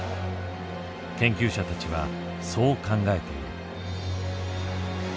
研究者たちはそう考えている。